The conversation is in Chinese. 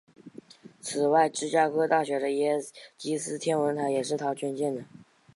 此外芝加哥大学的耶基斯天文台也是他捐建的。